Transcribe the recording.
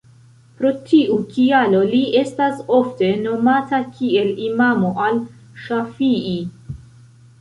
Pro tiu kialo li estas ofte nomata kiel Imamo al-Ŝafi'i.